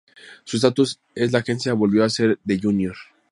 Su estatus en la agencia volvió a ser de "junior".